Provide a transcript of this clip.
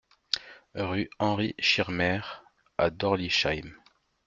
Rue Henri Schirmer à Dorlisheim